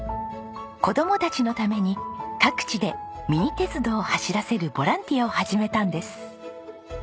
子供たちのために各地でミニ鉄道を走らせるボランティアを始めたんです。